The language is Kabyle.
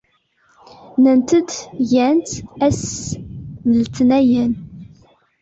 Nnant-d gant aya ass n letniyen.